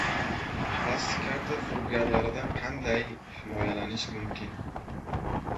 Plastik karta firibgarlaridan qanday himoyalanish mumkin?